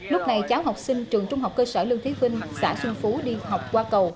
lúc này cháu học sinh trường trung học cơ sở lương thế vinh xã xuân phú đi học qua cầu